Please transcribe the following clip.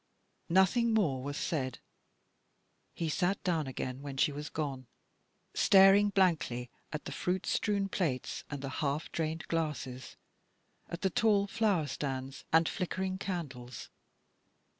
Nothing more was said. He sat down again when she was gone, staring blankly at the fruit strewn plates and half drained glasses, at the tall 6pergnes and flickering candles.